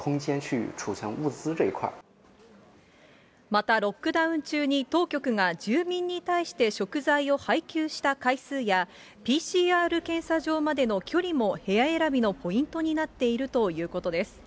また、ロックダウン中に当局が住民に対して食材を配給した回数や、ＰＣＲ検査場までの距離も、部屋選びのポイントになっているということです。